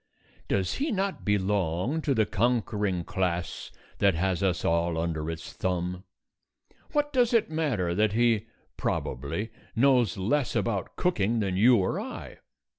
Does he not belong to the conquering class that has us all under its thumb? What does it matter that he (probably) knows less about cooking than you or I?